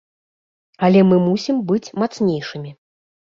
Але мы мусім быць мацнейшымі.